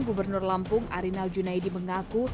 gubernur lampung arinal junaidi mengaku